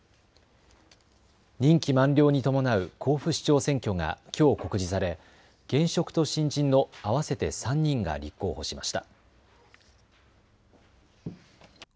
任期満了に伴う甲府市長選挙がきょう告示され、現職と新人の合わせて３人が立候補しました。